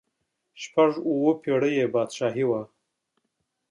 شپږ اووه پړۍ یې بادشاهي وه.